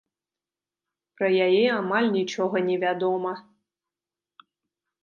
Пра яе амаль нічога невядома.